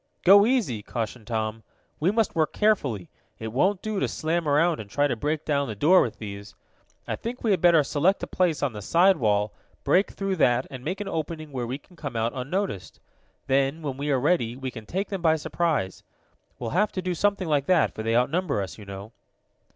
"Go easy!" cautioned Tom. "We must work carefully. It won't do to slam around and try to break down the door with these. I think we had better select a place on the side wall, break through that, and make an opening where we can come out unnoticed. Then, when we are ready, we can take them by surprise. We'll have to do something like that, for they outnumber us, you know."